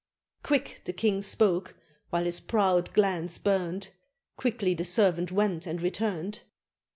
Quick the king spoke, while his proud glance burned, Quickly the servant went and returned.